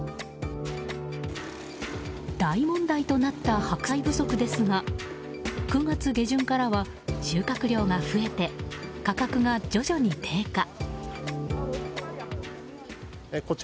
大問題となった白菜不足ですが９月下旬からは、収穫量が増えて価格が徐々に低下。